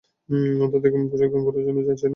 তাদেরকে এমন পোশাক দান করেন যা না ছিড়ে, না ময়লা হয়।